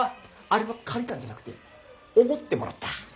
あれは借りたんじゃなくておごってもらった。